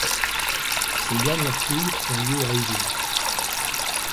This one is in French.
Ses dernières fouilles ont lieu à Égine.